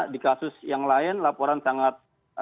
di kasus yang lain laporan sangat